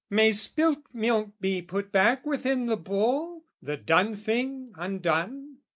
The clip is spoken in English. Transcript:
"May spilt milk be put back within the bowl "The done thing, undone?